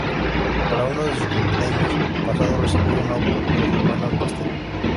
Para uno de sus cumpleaños pasados, recibió un auto, pero su hermana un pastel.